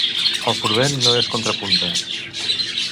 El prudent no es contrapunta.